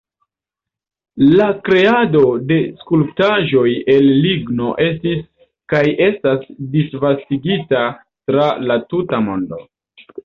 La kreado de skulptaĵoj el ligno estis kaj estas disvastigita tra la tuta mondo.